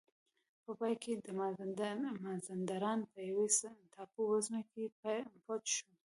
په پای کې د مازندران په یوې ټاپو وزمې کې پټ شو.